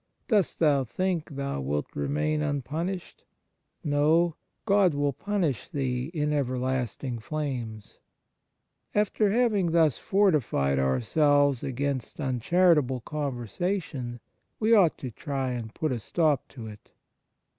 Dost thou think thou wilt remain unpunished ? No ; God will punish thee in everlasting flames." After 64 Eighth Preservative having thus fortified ourselves against un charitable conversation, we ought to try and put a stop to it.